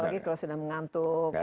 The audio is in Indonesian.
apalagi kalau sudah mengantuk